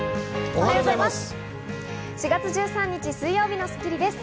おはようございます。